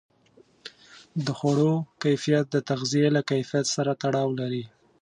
د خوړو کیفیت د تغذیې له کیفیت سره تړاو لري.